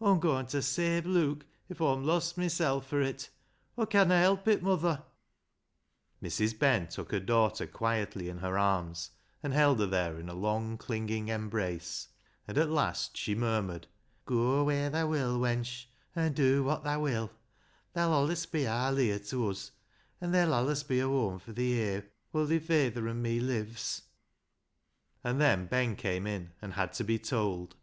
Aw'm goin' ta save Luke, if Aw'm lost mysel' fur it. Aw conna help it, muther." Mrs. Ben took her daughter quietly in her arms and held her there in a long, clinging embrace, and at length she murmured —" Goa wheer thaa will, wench, an' dew wot thaa will, tha'U allis be aar Leah to uz, an' ther'll allis be a whoam fur thi here woll [whilst] thi fayther an' me lives." And then Ben came in and had to be told.